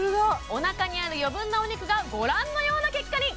おなかにある余分なお肉がご覧のような結果に！